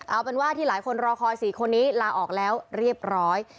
เอาเป็นว่าที่หลายคนรอคอย๔คนนี้ลาออกแล้วเรียบร้อย